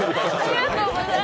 ありがとうございます。